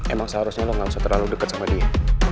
emang seharusnya lu gak usah terlalu deket sama dia